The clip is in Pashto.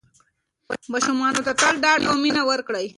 ماشومانو ته تل ډاډ او مینه ورکړئ.